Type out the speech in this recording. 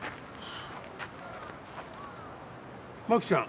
真紀ちゃん